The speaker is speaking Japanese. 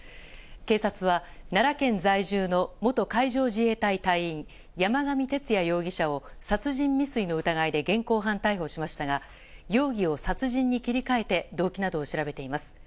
警察は奈良県在住の元海上自衛隊員山上徹也容疑者を殺人未遂の疑いで現行犯逮捕しましたが容疑を殺人に切り替えて動機などを調べています。